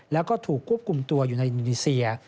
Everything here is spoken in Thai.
แล้วก็ถูกควบคุมตัวอยู่ในอินโดนีเซีย